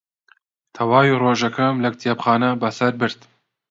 تەواوی ڕۆژەکەم لە کتێبخانە بەسەر برد.